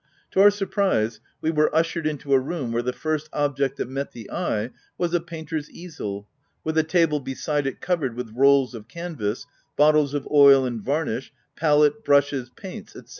To our surprise, we were ushered into a room where the first object that met the eye was a painter's easel, with a table beside it covered with rolls of canvass, bottles of oil and varnish, palette, brushes, paints, &c.